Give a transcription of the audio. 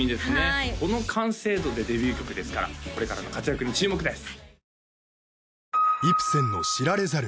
はいこの完成度でデビュー曲ですからこれからの活躍に注目です